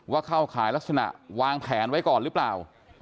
เข้าขายลักษณะวางแผนไว้ก่อนหรือเปล่า